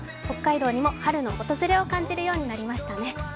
北海道にも春の訪れを感じるようになりましたね。